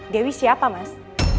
dewi siapa mas